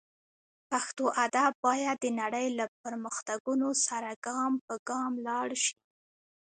پښتو ادب باید د نړۍ له پرمختګونو سره ګام پر ګام لاړ شي